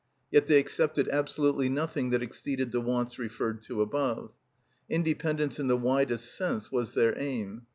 Yet they accepted absolutely nothing that exceeded the wants referred to above. Independence in the widest sense was their aim.